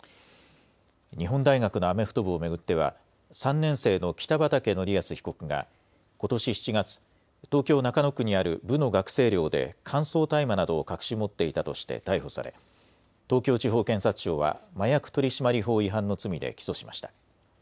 日本大学のアメフト部を巡っては３年生の北畠成文被告がことし７月、東京中野区にある部の学生寮で乾燥大麻などを隠し持っていたとして逮捕され東京地方検察庁は麻薬取締法違反の罪で起訴しました。